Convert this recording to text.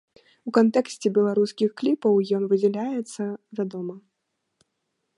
У кантэксце беларускіх кліпаў ён выдзяляецца, вядома.